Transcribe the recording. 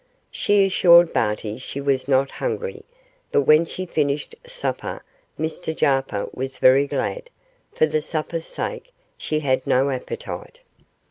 She assured Barty she was not hungry, but when she finished supper Mr Jarper was very glad, for the supper's sake, she had no appetite.